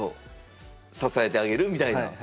支えてあげるみたいな。